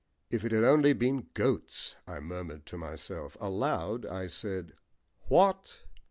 "If it had only been 'goats,'" I murmured to myself. Aloud I said, "What?"